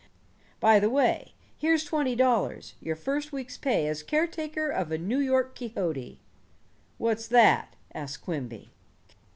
By the way, here's twenty dollars, your first week's pay as caretaker of a New York Quixote." "What's that?" asked Quimby.